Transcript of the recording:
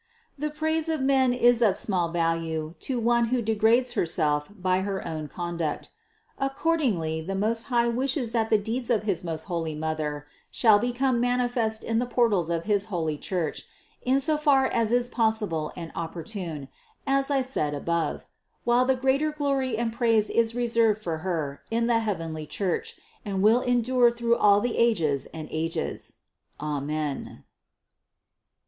The praise of men is of small value to one who degrades herself by her own conduct. Accordingly the Most High wishes that the deeds of his most holy Mother shall become manifest in the portals of his holy Church in so far as is possible and opportune, as I said above ; while the greater glory and praise is reserved for Her in the heavenly Church and will endure through all the ages and ages. Amen.